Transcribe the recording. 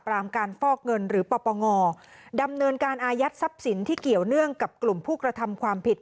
การฟอกเงินหรือปปงดำเนินการอายัดทรัพย์สินที่เกี่ยวเนื่องกับกลุ่มผู้กระทำความผิด